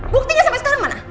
buktinya sampai sekarang mana